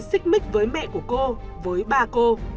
xích mít với mẹ của cô với ba cô